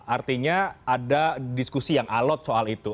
artinya ada diskusi yang alot soal itu